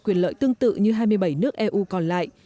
quyền lợi tương tự như hai mươi bảy nước eu còn lại